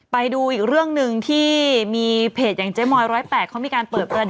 ไปดูอีกเรื่องหนึ่งที่มีเพจอย่างเจ๊มอย๑๐๘เขามีการเปิดประเด็น